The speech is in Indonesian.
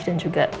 dan juga dikontrol